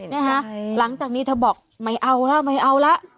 นะฮะหลังจากนี้เธอบอกไม่เอาแล้วไม่เอาละ